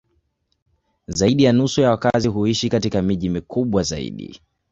Zaidi ya nusu ya wakazi huishi katika miji mikubwa zaidi.